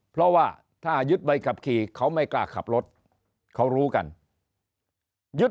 เพราะว่าถ้ายึดใบขับขี่เขาไม่กล้าขับรถเขารู้กันยึด